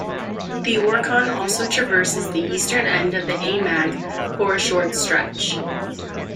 The Orkhon also traverses the eastern end of the aimag for a short stretch.